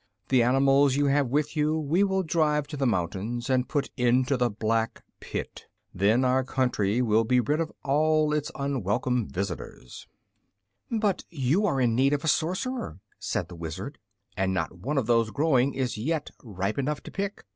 The animals you have with you we will drive to the mountains and put into the Black Pit. Then our country will be rid of all its unwelcome visitors." "But you are in need of a Sorcerer," said the Wizard, "and not one of those growing is yet ripe enough to pick.